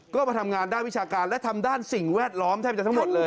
ก็มาทำงานด้านวิชาการและทำด้านสิ่งแวดล้อมแทบจะทั้งหมดเลย